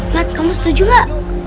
mat kamu setuju gak